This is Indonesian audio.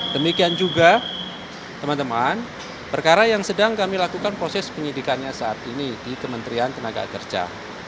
demikian juga teman teman perkara yang sedang kami lakukan proses penyidikannya saat ini di kementerian tenaga kerja